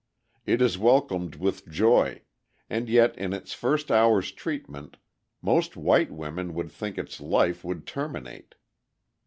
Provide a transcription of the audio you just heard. It is welcomed with joy, and yet in its first hour's treatment most white women would think its life would terminate.